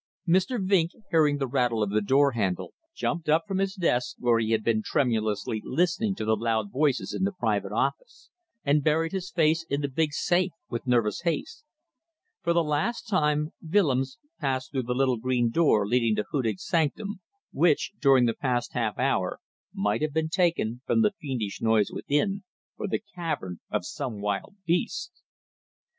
Mr. Vinck, hearing the rattle of the door handle, jumped up from his desk where he had been tremulously listening to the loud voices in the private office and buried his face in the big safe with nervous haste. For the last time Willems passed through the little green door leading to Hudig's sanctum, which, during the past half hour, might have been taken from the fiendish noise within for the cavern of some wild beast.